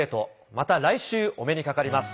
また来週お目にかかります。